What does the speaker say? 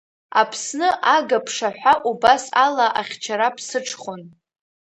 Аԥсны ага ԥшаҳәа убас ала ахьчара ԥсыҽхон.